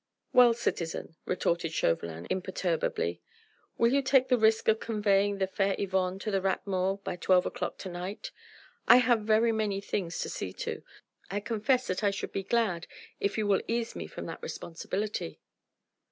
"Well, citizen," retorted Chauvelin imperturbably, "will you take the risk of conveying the fair Yvonne to the Rat Mort by twelve o'clock to night? I have very many things to see to, I confess that I should be glad if you will ease me from that responsibility."